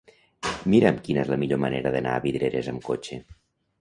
Mira'm quina és la millor manera d'anar a Vidreres amb cotxe.